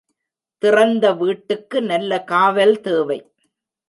திறந்த வீட்டுக்கு நல்ல காவல் தேவை.